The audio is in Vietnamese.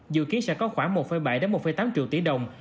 dự kiến sẽ có khoảng một bảy một tám triệu tỷ đồng